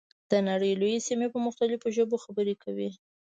د نړۍ لویې سیمې په مختلفو ژبو خبرې کوي.